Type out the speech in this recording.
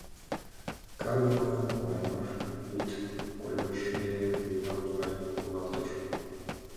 Каргыме Лаемыр, вӱд кольмыж дене вуйлан логалтыш.